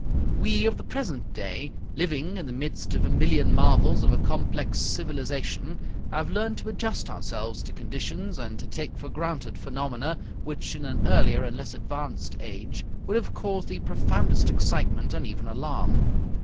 We of the present day, living in the midst of a million marvels of a complex civilization, have learned to adjust ourselves to conditions and to take for granted phenomena which in an earlier and less advanced age would have caused the profoundest excitement and even alarm.